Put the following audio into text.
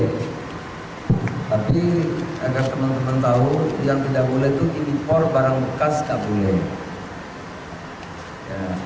tapi agar teman teman tahu yang tidak boleh itu impor barang bekas nggak boleh